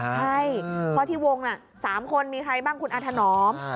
ใช่เพราะที่วง๓คนมีใครบ้างคุณอาถนอม